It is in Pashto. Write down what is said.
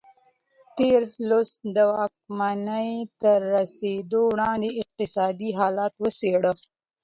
تېر لوست د واکمنۍ ته تر رسېدو وړاندې اقتصادي حالت وڅېړه.